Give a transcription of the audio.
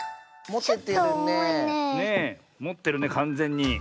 もってるねかんぜんに。